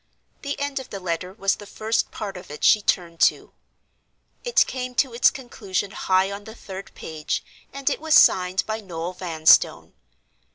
The end of the letter was the first part of it she turned to. It came to its conclusion high on the third page, and it was signed by Noel Vanstone.